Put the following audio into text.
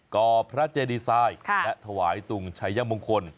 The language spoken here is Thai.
ก่อพระเจดีทรายและถวายตุงไชย่างมงคล